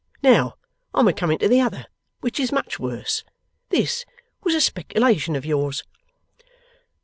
Now, I'm a coming to the other, which is much worse. This was a speculation of yours.